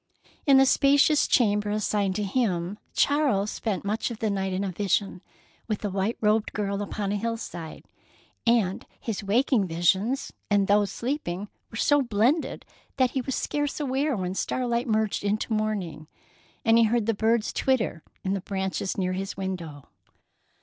In the spacious chamber assigned to him, Charles spent much of the night in a vision with a white robed girl upon a hillside, and his waking visions and those sleeping were so blended that he was scarce aware when starlight merged into morning, and he heard the birds twitter in the branches near his window.